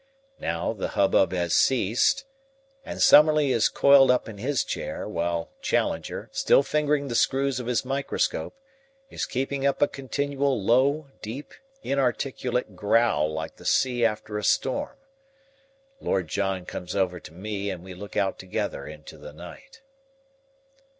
Now the hubbub has ceased, and Summerlee is coiled up in his chair, while Challenger, still fingering the screws of his microscope, is keeping up a continual low, deep, inarticulate growl like the sea after a storm. Lord John comes over to me, and we look out together into the night.